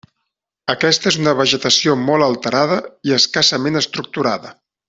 Aquesta és una vegetació molt alterada i escassament estructurada.